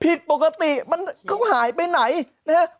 ผิดปกติมันเขาหายไปไหนนะฮะ